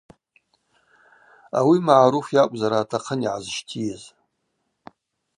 Ауи Магӏаруф йакӏвзара атахъын йгӏазщтийыз.